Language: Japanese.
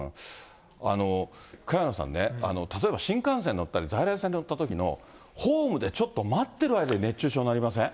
萱野さんね、例えば新幹線乗ったり在来線乗ったときの、ホームでちょっと待っている間に熱中症になりません？